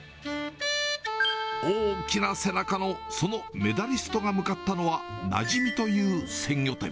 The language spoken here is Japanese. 大きな背中のそのメダリストが向かったのは、なじみという鮮魚店。